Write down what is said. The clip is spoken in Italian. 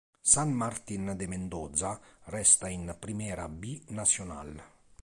San Martín de Mendoza resta in Primera B Nacional.